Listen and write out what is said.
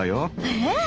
えっ？